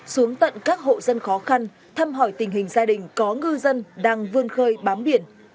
xuống tận các hộ dân khó khăn thăm hỏi tình hình gia đình có ngư dân đang vươn khơi bám biển